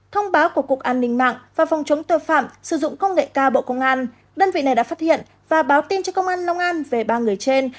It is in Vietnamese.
thông báo của cục an ninh mạng và phòng chống tội phạm sử dụng công nghệ cao bộ công an đơn vị này đã phát hiện và báo tin cho công an long an về ba người trên